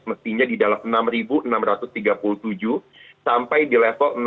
mestinya di dalam enam enam ratus tiga puluh tujuh sampai di level enam delapan ratus tujuh puluh dua